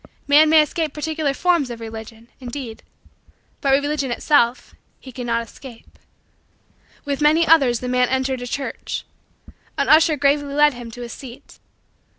Man may escape particular forms of Religion, indeed, but Religion itself he cannot escape. With many others the man entered a church. An usher gravely led him to a seat.